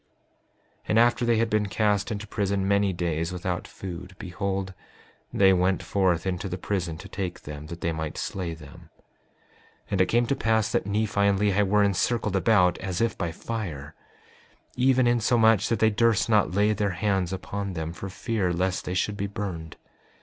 5:22 And after they had been cast into prison many days without food, behold, they went forth into the prison to take them that they might slay them. 5:23 And it came to pass that Nephi and Lehi were encircled about as if by fire, even insomuch that they durst not lay their hands upon them for fear lest they should be burned.